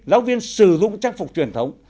giáo viên sử dụng trang phục truyền thống